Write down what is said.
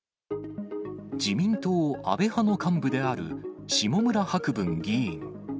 自民党安倍派の幹部である、下村博文議員。